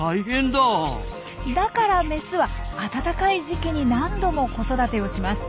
だからメスは暖かい時期に何度も子育てをします。